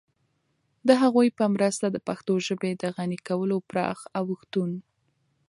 د هغوی په مرسته د پښتو ژبې د غني کولو پراخ اوښتون